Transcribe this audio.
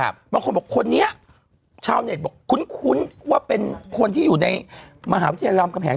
บางคนบอกคนนี้ชาวเน็ตบอกคุ้นว่าเป็นคนที่อยู่ในมหาวิทยาลำกำแหง